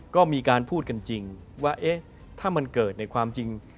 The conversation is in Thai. ก็มีการพูดกันจริงว่าเอ๊ะถ้ามันเกิดในความจริง